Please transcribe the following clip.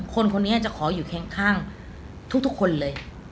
คนคนนี้อาจจะขออยู่เคียงข้างทุกทุกคนเลย